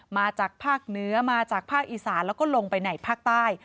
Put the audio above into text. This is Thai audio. มาจากภาคเหนือมาจากภาคอีสานแล้วก็ลงไปในภาคใต้